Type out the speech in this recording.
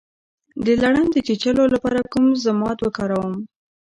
د لړم د چیچلو لپاره کوم ضماد وکاروم؟